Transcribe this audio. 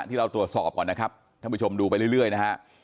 ที่เราตรวจสอบก่อนนะครับท่านผู้ชมดูไปเรื่อยนะฮะ